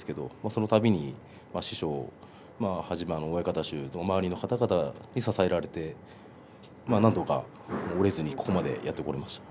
そのたびに師匠をはじめ親方衆周りの方に支えられてなんとか折れずにここまでやってこられました。